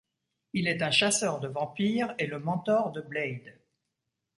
Il est un chasseur de vampire et le mentor de Blade.